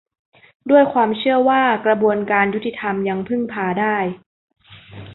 ด้วยความเชื่อว่ากระบวนการยุติธรรมยังพึ่งพาได้